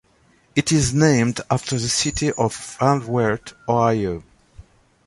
It is named after the city of Van Wert, Ohio.